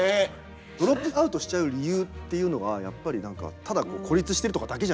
ドロップアウトしちゃう理由っていうのがやっぱり何かただ孤立してるとかだけじゃないんですよね。